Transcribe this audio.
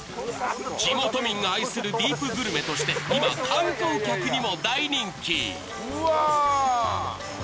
地元民が愛するディープグルメとして、今、観光客にも大人気。